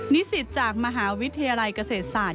นิสิตจากมหาวิทยาลัยเกษตรศาสต